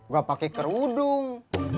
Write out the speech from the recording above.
gue pake kerudung